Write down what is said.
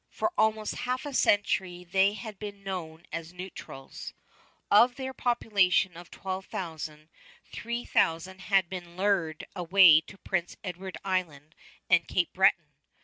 For almost half a century they had been known as Neutrals. Of their population of 12,000, 3000 had been lured away to Prince Edward Island and Cape Breton.